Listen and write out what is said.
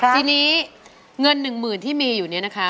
จริงเงินหนึ่งหมื่นที่มีอยู่นี่นะคะ